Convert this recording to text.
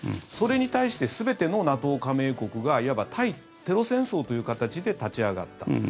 それに対して全てのＮＡＴＯ加盟国がいわば、対テロ戦争という形で立ち上がった。